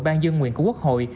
ban dân nguyện của quốc hội